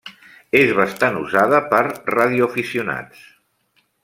És bastant usada per radioaficionats.